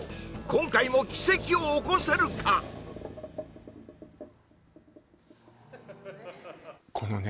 今回も奇跡を起こせるかこのね